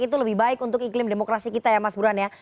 itu lebih baik untuk iklim demokrasi kita ya mas burhan ya